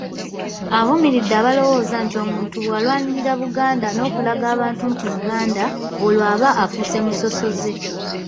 Avumiridde abalowooza nti omuntu bw’alwanirira Buganda n’okulaga abantu nti Muganda, olwo aba afuuse musosoze.